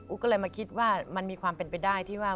ก็เลยมาคิดว่ามันมีความเป็นไปได้ที่ว่า